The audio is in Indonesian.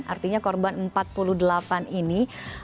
artinya korban empat puluh delapan ini